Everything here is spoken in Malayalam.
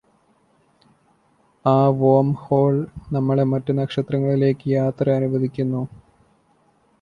ആ വോം ഹോൾ നമ്മളെ മറ്റു നക്ഷത്രങ്ങളിലേക്ക് യാത്ര അനുവദിക്കുന്നു